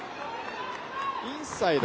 インサイド